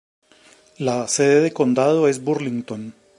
La sede de condado es Burlington.